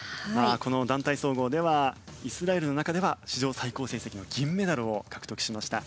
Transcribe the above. この団体総合ではイスラエルの中では史上最高成績の銀メダルを獲得しました。